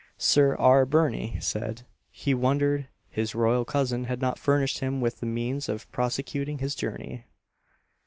Sir R. Birnie said, he wondered his royal cousin had not furnished him with the means of prosecuting his journey.